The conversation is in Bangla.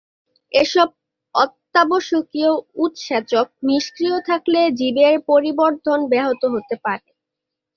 এসব অত্যাবশ্যকীয় উৎসেচক নিষ্ক্রিয় থাকলে জীবের পরিবর্ধন ব্যাহত হতে পারে।